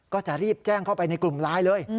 ก็จะรีบแจ้งเข้าไปในกลุ่มไลน์เลย